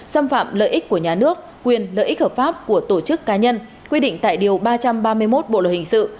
xâm phạm lợi ích của nhà nước quyền lợi ích hợp pháp của tổ chức cá nhân quy định tại điều ba trăm ba mươi một bộ luật hình sự